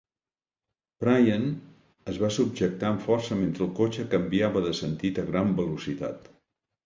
Brian es va subjectar amb força mentre el cotxe canviava de sentit a gran velocitat.